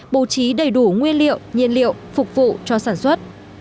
bố trí đầy đủ nguyên liệu nhiên liệu phục vụ cho sản xuất